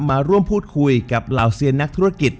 มาร่วมพูดคุยกับเหล่าเซียนนักธุรกิจ